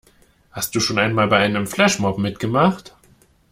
Hast du schon einmal bei einem Flashmob mitgemacht?